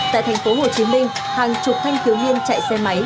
tại thành phố hồ chí minh hàng chục thanh thiếu niên chạy xe máy